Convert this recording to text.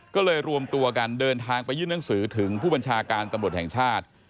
ก็เลยรวมตัวกันเดินทางไปยื่นหนังสือถึงผู้บัญชาการตำรวจแห่งชาติ